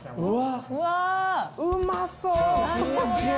うまそう！